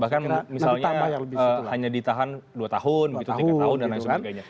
bahkan misalnya hanya ditahan dua tahun tiga tahun dan lain sebagainya